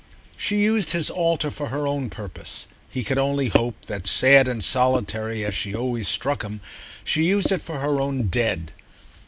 She used his altar for her own purpose—he could only hope that sad and solitary as she always struck him, she used it for her own Dead.